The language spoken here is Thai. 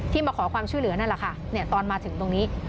มาขอความช่วยเหลือนั่นแหละค่ะตอนมาถึงตรงนี้